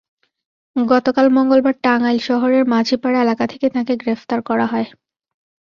গতকাল মঙ্গলবার টাঙ্গাইল শহরের মাঝিপাড়া এলাকা থেকে তাঁকে গ্রেপ্তার করা হয়।